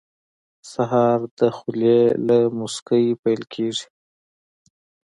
سهار د خولې له موسکۍ پیل کېږي.